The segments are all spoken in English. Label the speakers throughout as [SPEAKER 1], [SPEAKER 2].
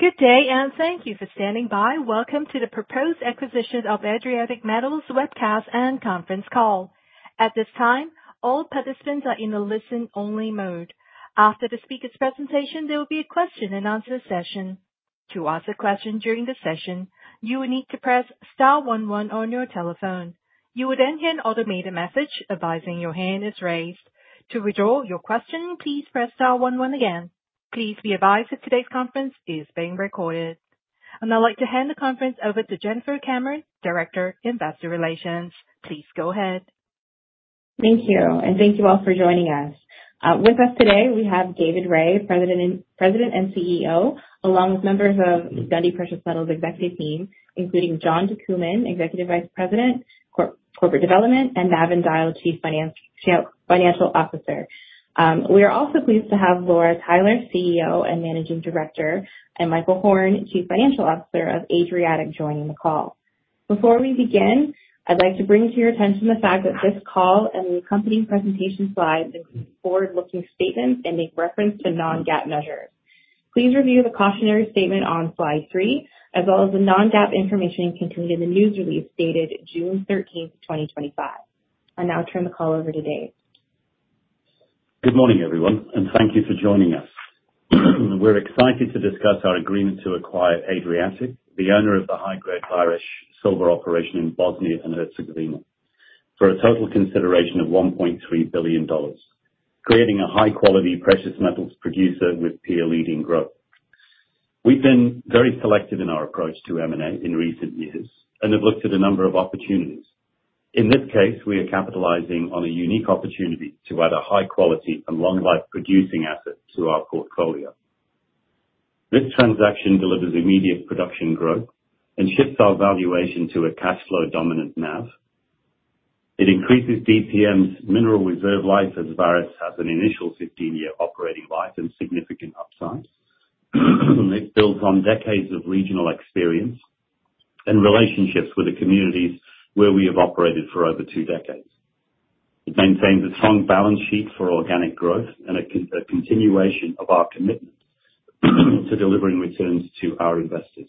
[SPEAKER 1] Good day, and thank you for standing by. Welcome to the Proposed Acquisition of Adriatic Metals Webcast and Conference Call. At this time, all participants are in the listen-only mode. After the speaker's presentation, there will be a question and answer session. To ask a question during the session, you will need to press *11 on your telephone. You will then hear an automated message advising your hand is raised. To withdraw your question, please press *11 again. Please be advised that today's conference is being recorded. I would like to hand the conference over to Jennifer Cameron, Director, Investor Relations. Please go ahead.
[SPEAKER 2] Thank you, and thank you all for joining us. With us today, we have David Rae, President and CEO, along with members of Dundee Precious Metals' executive team, including John DeCooman, Executive Vice President, Corporate Development, and Navin Dyal, Chief Financial Officer. We are also pleased to have Laura Tyler, CEO and Managing Director, and Michael Horn, Chief Financial Officer of Adriatic, joining the call. Before we begin, I'd like to bring to your attention the fact that this call and the accompanying presentation slides include forward-looking statements and make reference to non-GAAP measures. Please review the cautionary statement on slide three, as well as the non-GAAP information contained in the news release dated June 13, 2025. I now turn the call over to Dave.
[SPEAKER 3] Good morning, everyone, and thank you for joining us. We're excited to discuss our agreement to acquire Adriatic, the owner of the high-grade silver operation in Bosnia and Herzegovina, for a total consideration of $1.3 billion, creating a high-quality precious metals producer with peer-leading growth. We've been very selective in our approach to M&A in recent years and have looked at a number of opportunities. In this case, we are capitalizing on a unique opportunity to add a high-quality and long-life producing asset to our portfolio. This transaction delivers immediate production growth and shifts our valuation to a cash flow dominant NAV. It increases DPM's mineral reserve life as Vareš has an initial 15-year operating life and significant upside. It builds on decades of regional experience and relationships with the communities where we have operated for over two decades. It maintains a strong balance sheet for organic growth and a continuation of our commitment to delivering returns to our investors.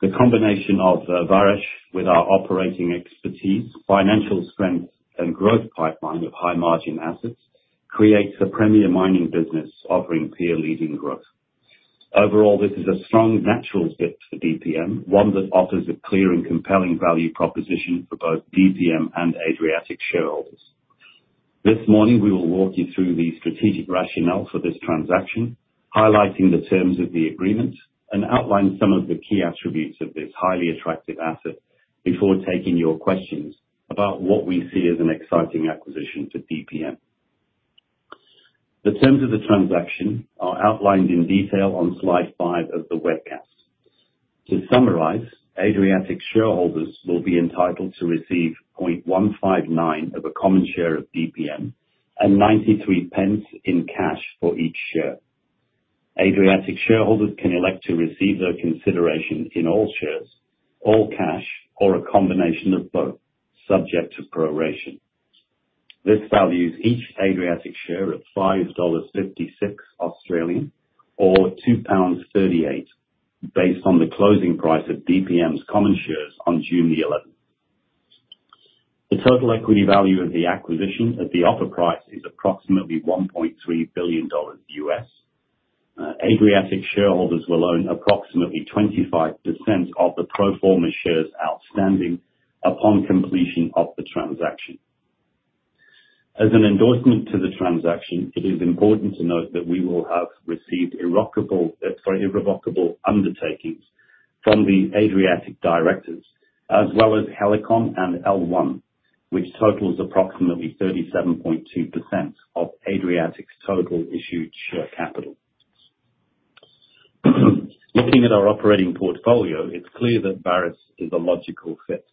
[SPEAKER 3] The combination of Vareš with our operating expertise, financial strength, and growth pipeline of high-margin assets creates a premier mining business offering peer-leading growth. Overall, this is a strong natural fit for DPM, one that offers a clear and compelling value proposition for both DPM and Adriatic shareholders. This morning, we will walk you through the strategic rationale for this transaction, highlighting the terms of the agreement and outline some of the key attributes of this highly attractive asset before taking your questions about what we see as an exciting acquisition for DPM. The terms of the transaction are outlined in detail on slide five of the webcast. To summarize, Adriatic shareholders will be entitled to receive 0.159 of a common share of DPM and 0.93 in cash for each share. Adriatic shareholders can elect to receive their consideration in all shares, all cash, or a combination of both, subject to proration. This values each Adriatic share at 5.56 Australian dollars or 2.38 pounds based on the closing price of DPM's common shares on June the 11th. The total equity value of the acquisition at the offer price is approximately $1.3 billion. Adriatic shareholders will own approximately 25% of the pro forma shares outstanding upon completion of the transaction. As an endorsement to the transaction, it is important to note that we will have received irrevocable undertakings from the Adriatic directors, as well as Helicon and L1, which totals approximately 37.2% of Adriatic's total issued share capital. Looking at our operating portfolio, it's clear that Vareš is a logical fit.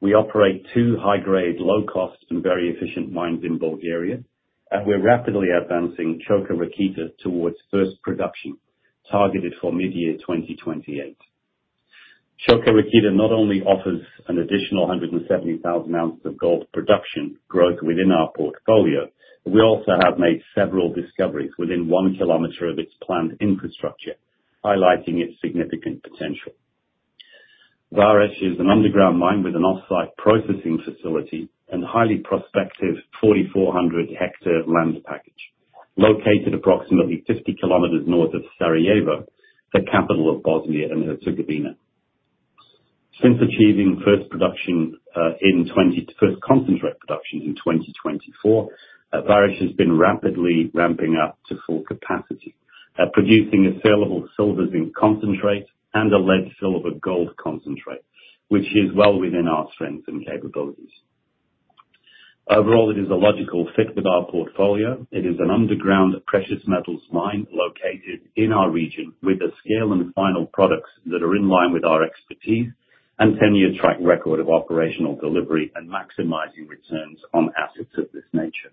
[SPEAKER 3] We operate two high-grade, low-cost, and very efficient mines in Bulgaria, and we're rapidly advancing Čoka Rakita towards first production targeted for mid-year 2028. Čoka Rakita not only offers an additional 170,000 ounces of gold production growth within our portfolio, but we also have made several discoveries within 1 kilometer of its planned infrastructure, highlighting its significant potential. Vareš is an underground mine with an offsite processing facility and highly prospective 4,400-hectare land package located approximately 50 kilometers north of Sarajevo, the capital of Bosnia and Herzegovina. Since achieving first production in 2024, first concentrate production in 2024, Vareš has been rapidly ramping up to full capacity, producing a saleable silver-zinc concentrate and a lead-silver-gold concentrate, which is well within our strengths and capabilities. Overall, it is a logical fit with our portfolio. It is an underground precious metals mine located in our region with a scale and final products that are in line with our expertise and 10-year track record of operational delivery and maximizing returns on assets of this nature.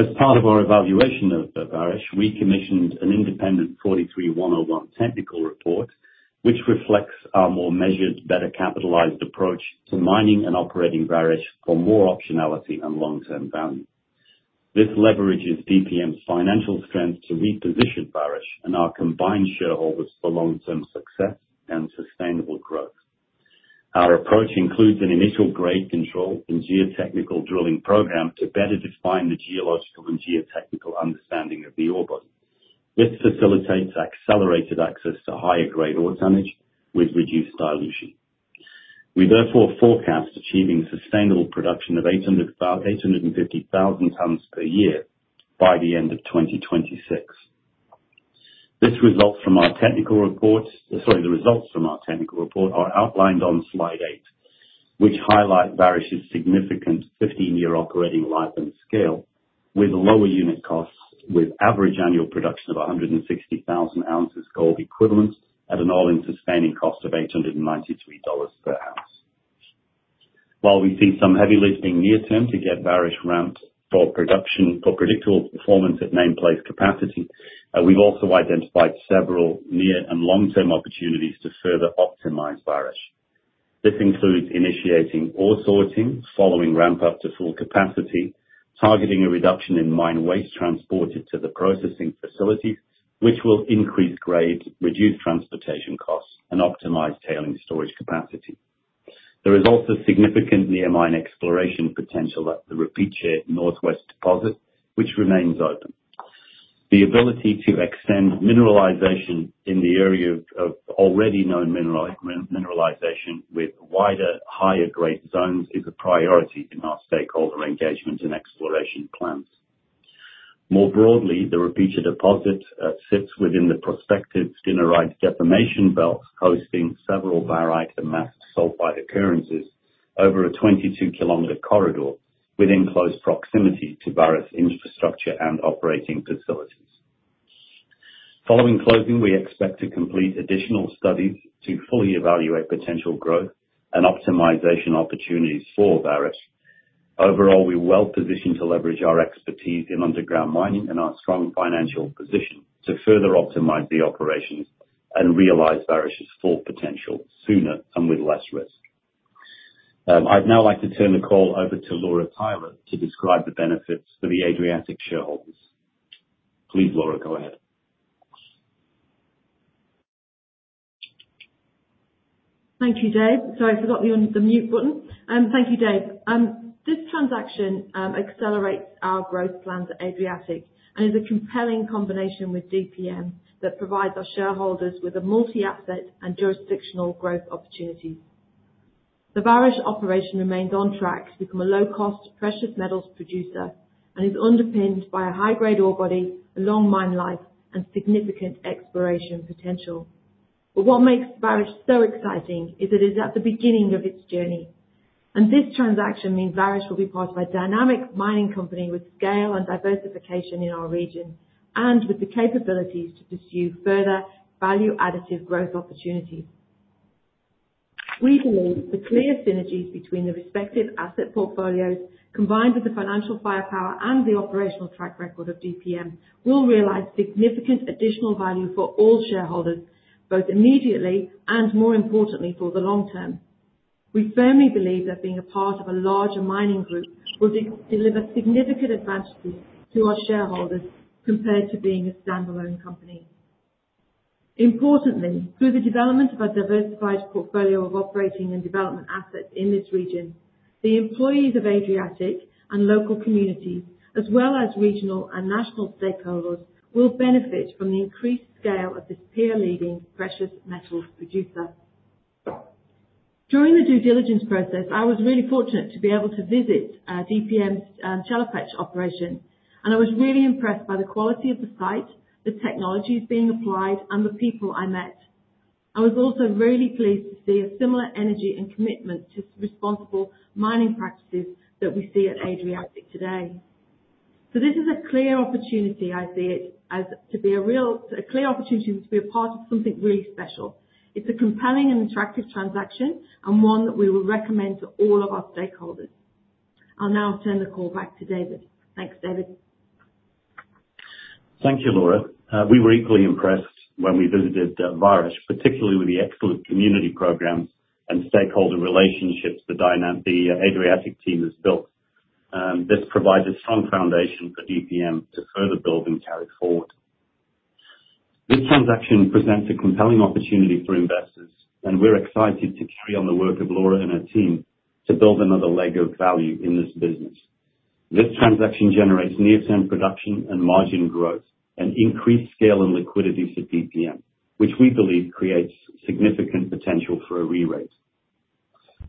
[SPEAKER 3] As part of our evaluation of Vareš, we commissioned an independent NI 43-101 technical report, which reflects our more measured, better capitalized approach to mining and operating Vareš for more optionality and long-term value. This leverages DPM's financial strength to reposition Vareš and our combined shareholders for long-term success and sustainable growth. Our approach includes an initial grade control and geotechnical drilling program to better define the geological and geotechnical understanding of the ore body. This facilitates accelerated access to higher-grade ore tonnage with reduced dilution. We therefore forecast achieving sustainable production of 850,000 tons per year by the end of 2026. The results from our technical report are outlined on slide eight, which highlight Vareš's significant 15-year operating life and scale with lower unit costs, with average annual production of 160,000 ounces of gold equivalent at an all-in sustaining cost of $893 per ounce. While we see some heavy lifting near term to get Vareš ramped for predictable performance at nameplate capacity, we've also identified several near and long-term opportunities to further optimize Vareš. This includes initiating ore sorting, following ramp-up to full capacity, targeting a reduction in mine waste transported to the processing facilities, which will increase grade, reduce transportation costs, and optimize tailings storage capacity. There is also significant near-mine exploration potential at the Rupice Northwest deposit, which remains open. The ability to extend mineralization in the area of already known mineralization with wider, higher-grade zones is a priority in our stakeholder engagement and exploration plans. More broadly, the Rupice deposit sits within the prospective Dinaride deformation belt, hosting several barite and massive sulfide occurrences over a 22 km corridor within close proximity to Vareš's infrastructure and operating facilities. Following closing, we expect to complete additional studies to fully evaluate potential growth and optimization opportunities for Vareš. Overall, we're well positioned to leverage our expertise in underground mining and our strong financial position to further optimize the operations and realize Vareš's full potential sooner and with less risk. I'd now like to turn the call over to Laura Tyler to describe the benefits for the Adriatic shareholders. Please, Laura, go ahead.
[SPEAKER 4] Thank you, Dave. Sorry, I forgot the mute button. Thank you, Dave. This transaction accelerates our growth plans at Adriatic and is a compelling combination with DPM that provides our shareholders with a multi-asset and jurisdictional growth opportunity. The Vareš operation remains on track to become a low-cost precious metals producer and is underpinned by a high-grade ore body, long mine life, and significant exploration potential. What makes Vareš so exciting is that it is at the beginning of its journey. This transaction means Vareš will be part of a dynamic mining company with scale and diversification in our region and with the capabilities to pursue further value-additive growth opportunities. We believe the clear synergies between the respective asset portfolios, combined with the financial firepower and the operational track record of DPM, will realize significant additional value for all shareholders, both immediately and, more importantly, for the long term. We firmly believe that being a part of a larger mining group will deliver significant advantages to our shareholders compared to being a standalone company. Importantly, through the development of a diversified portfolio of operating and development assets in this region, the employees of Adriatic and local communities, as well as regional and national stakeholders, will benefit from the increased scale of this peer-leading precious metals producer. During the due diligence process, I was really fortunate to be able to visit DPM's Chelopech operation, and I was really impressed by the quality of the site, the technologies being applied, and the people I met. I was also really pleased to see a similar energy and commitment to responsible mining practices that we see at Adriatic today. This is a clear opportunity. I see it as to be a real clear opportunity to be a part of something really special. It's a compelling and attractive transaction and one that we will recommend to all of our stakeholders. I'll now turn the call back to David. Thanks, David.
[SPEAKER 3] Thank you, Laura. We were equally impressed when we visited Vareš, particularly with the excellent community programs and stakeholder relationships the Adriatic team has built. This provides a strong foundation for DPM to further build and carry forward. This transaction presents a compelling opportunity for investors, and we're excited to carry on the work of Laura and her team to build another leg of value in this business. This transaction generates near-term production and margin growth and increased scale and liquidity for DPM, which we believe creates significant potential for a re-rate.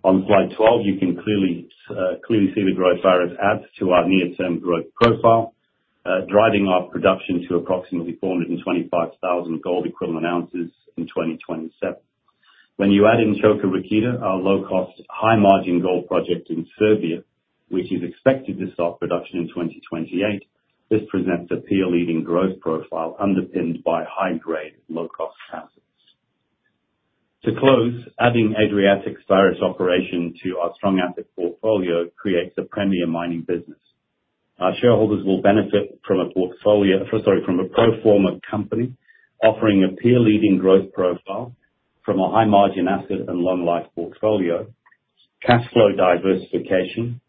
[SPEAKER 3] On slide 12, you can clearly see the growth Vareš adds to our near-term growth profile, driving our production to approximately 425,000 gold equivalent ounces in 2027. When you add in Čoka Rakita, our low-cost, high-margin gold project in Serbia, which is expected to start production in 2028, this presents a peer-leading growth profile underpinned by high-grade, low-cost assets. To close, adding Adriatic's Vareš operation to our strong asset portfolio creates a premier mining business. Our shareholders will benefit from a pro forma company offering a peer-leading growth profile from a high-margin asset and long-life portfolio, cash flow diversification,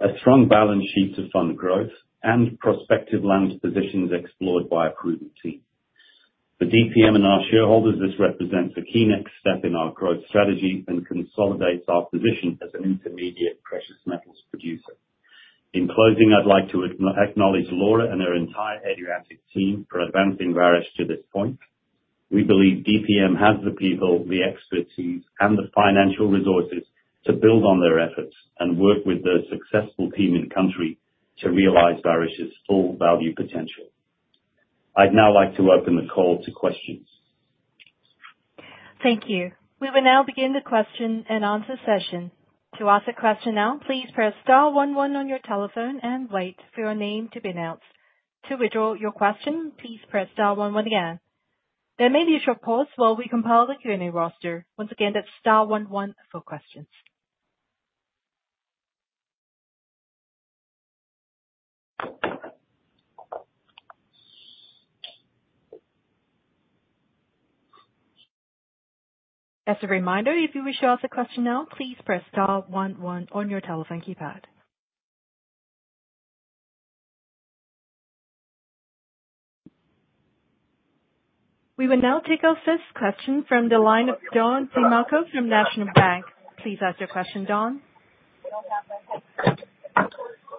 [SPEAKER 3] a strong balance sheet to fund growth, and prospective land positions explored by a proven team. For DPM and our shareholders, this represents a key next step in our growth strategy and consolidates our position as an intermediate precious metals producer. In closing, I'd like to acknowledge Laura and her entire Adriatic team for advancing Vareš to this point. We believe DPM has the people, the expertise, and the financial resources to build on their efforts and work with the successful team in country to realize Vareš's full value potential. I'd now like to open the call to questions.
[SPEAKER 1] Thank you. We will now begin the question and answer session. To ask a question now, please press star 11 on your telephone and wait for your name to be announced. To withdraw your question, please press star 11 again. There may be a short pause while we compile the Q&A roster. Once again, that's star 11 for questions. As a reminder, if you wish to ask a question now, please press star 11 on your telephone keypad. We will now take our first question from the line of Don DeMarco from National Bank. Please ask your question, Don.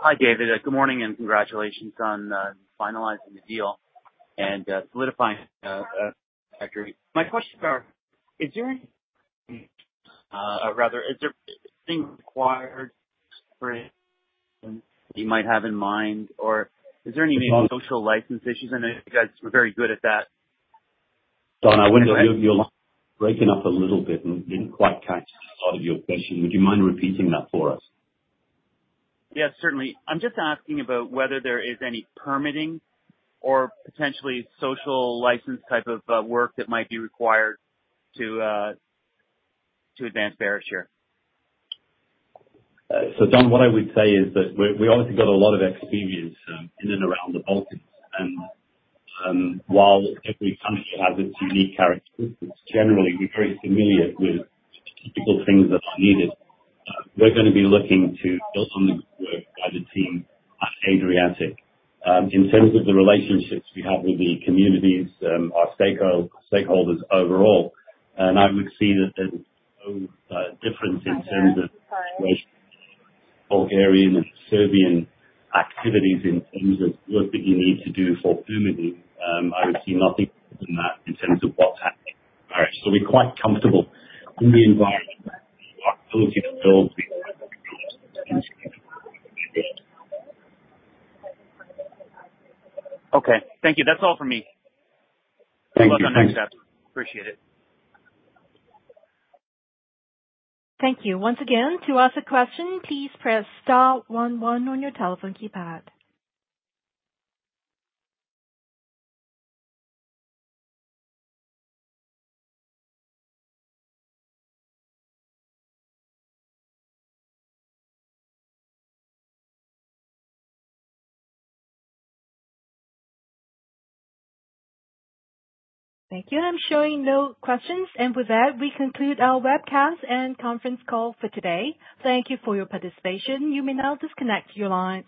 [SPEAKER 5] Hi, David. Good morning and congratulations on finalizing the deal and solidifying the contract. My questions are: is there anything required for anything that you might have in mind, or is there any maybe social license issues? I know you guys were very good at that.
[SPEAKER 3] Don, I wonder if you're breaking up a little bit and didn't quite catch the start of your question. Would you mind repeating that for us?
[SPEAKER 5] Yes, certainly. I'm just asking about whether there is any permitting or potentially social license type of work that might be required to advance Vareš here.
[SPEAKER 3] Don, what I would say is that we obviously got a lot of experience in and around the Balkans, and while every country has its unique characteristics, generally, we're very familiar with the typical things that are needed. We're going to be looking to build on the work by the team at Adriatic in terms of the relationships we have with the communities, our stakeholders overall. I would see that there's no difference in terms of Bulgarian and Serbian activities in terms of work that you need to do for permitting. I would see nothing different than that in terms of what's happening at Vareš. We're quite comfortable in the environment and our ability to build the work that we need.
[SPEAKER 5] Okay. Thank you. That's all for me.
[SPEAKER 3] Thank you.
[SPEAKER 5] Appreciate it.
[SPEAKER 1] Thank you. Once again, to ask a question, please press star 11 on your telephone keypad. Thank you. I'm showing no questions. With that, we conclude our webcast and conference call for today. Thank you for your participation. You may now disconnect your line.